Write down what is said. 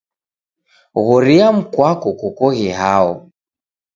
Ghoria mkwako kokoghe hao.